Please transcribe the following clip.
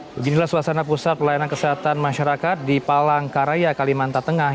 beginilah suasana pusat pelayanan kesehatan masyarakat di palangkaraya kalimantan tengah